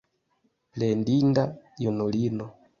Plendinda junulino!